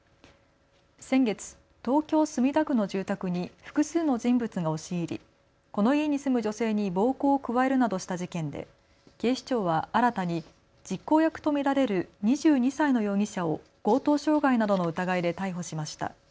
先月、東京墨田区の住宅に複数の人物が押し入り、この家に住む女性に暴行を加えるなどした事件で警視庁は新たに実行役と見られる２２歳の容疑者を強盗傷害などの疑いで逮捕しました。